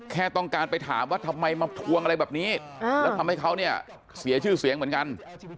แค่ต้องการไปถามว่าทำไมมาทวงอะไรแบบนี้แล้วทำให้เขาเนี่ยเสียชื่อเสียงเหมือนกัน